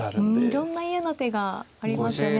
いろんな嫌な手がありますよね